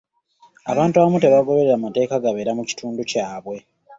Abantu abamu tebagoberera mateeka gabeera mu kitundu ky'ewaabwe.